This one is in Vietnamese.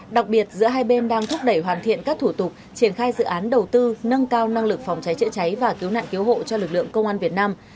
đặc biệt giữa hai bên đang thúc đẩy hoàn thiện các thủ tục triển khai dự án đầu tư nâng cao năng lực phòng cháy chữa cháy và cứu nạn cứu hộ cho lực lượng công an việt nam